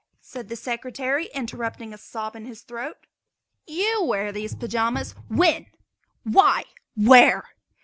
said the Secretary, interrupting a sob in his throat. "You wear these pajamas? When? Why? Where?"